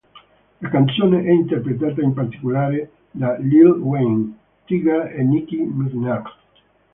La canzone è interpretata in particolare da Lil Wayne, Tyga e Nicki Minaj.